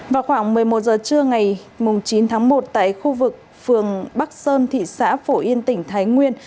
vào khoảng một mươi một h trưa ngày chín tháng một tại khu vực phường bắc sơn thị xã phổ yên tỉnh thái nguyên